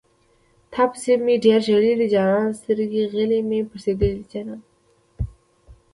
تاپسې مې ډېر ژړلي دي جانانه سترغلي مې پړسېدلي دي جانانه